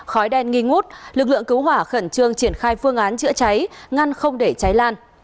khói đen nghi ngút lực lượng cứu hỏa khẩn trương triển khai phương án chữa cháy ngăn không để cháy lan